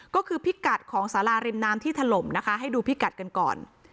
ก็คือพิกัดของสาราริมน้ำที่ถล่มนะคะให้ดูพิกัดกันก่อน